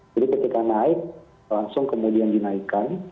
jadi ketika naik langsung kemudian dinaikkan